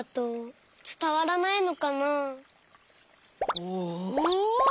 おお！